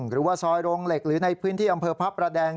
หรือว่าซอยโรงเหล็กหรือในพื้นที่อำเภอพระประแดง